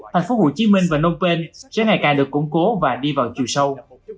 thành phố hồ chí minh và nong pên sẽ ngày càng được củng cố và đi vào chiều sâu